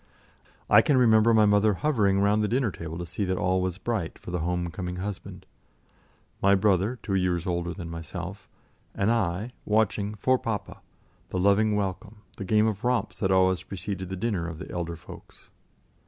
I can remember my mother hovering round the dinner table to see that all was bright for the home coming husband; my brother two years older than myself and I watching "for papa"; the loving welcome, the game of romps that always preceded the dinner of the elder folks.